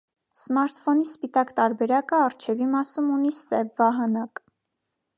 Սմարթֆոնի սպիտակ տարբերակը առջևի մասում ունի սև վահանակ։